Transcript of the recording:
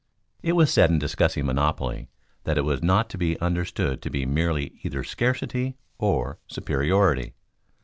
_ It was said in discussing monopoly that it was not to be understood to be merely either scarcity or superiority.